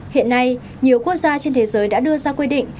hiện nay nhiều quốc gia trên thế giới đã đưa ra quy định